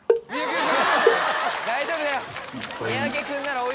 大丈夫だよ。